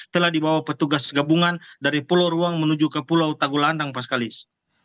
telah dibawa petugas gabungan dari pulau ruang menuju ke pulau tagulandang paskalis